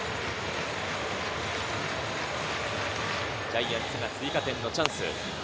ジャイアンツが追加点のチャンス。